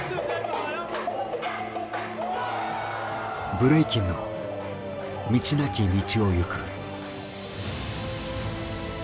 ブレイキンの道なき道をゆく。